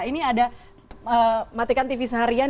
ini ada matikan tv seharian